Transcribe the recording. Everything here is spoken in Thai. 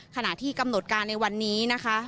ขณะที่กำหนดการในวันนี้นะคะ